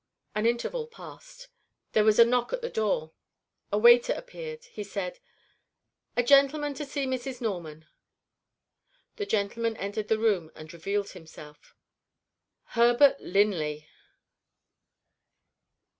An interval passed. There was a knock at the door. A waiter appeared. He said: "A gentleman to see Mrs. Norman." The gentleman entered the room and revealed himself. Herbert Linley!